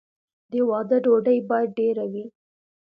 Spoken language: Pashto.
د واده ډوډۍ باید ډیره وي.